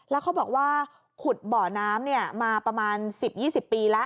แล้วเขาบอกว่าขุดบ่อน้ำมาประมาณ๑๐๒๐ปีแล้ว